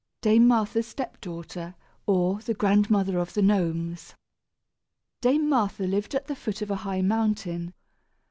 DAME MARTHA'S STEP DAUGHTER; OR, THE GRANDMOTHER OF THE GNOMES. Dame Martha lived at the foot of a high mountain.